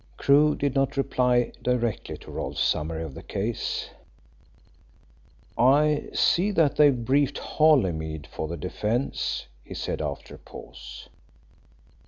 Crewe did not reply directly to Rolfe's summary of the case. "I see that they've briefed Holymead for the defence," he said after a pause.